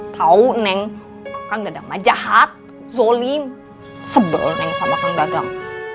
tau neng kang dadang mah jahat zolim sebel neng sama kang dadang